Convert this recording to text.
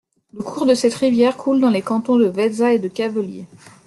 Le cours de cette rivière coule dans les cantons de Vezza et de Cavelier.